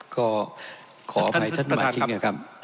ก็ขออภัยท่านมาที่มาครับ